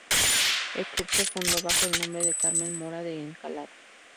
El club se fundó bajo el nombre de Carmen Mora de Encalada.